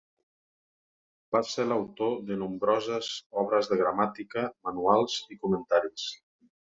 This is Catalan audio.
Va ser l'autor de nombroses obres de gramàtica, manuals i comentaris.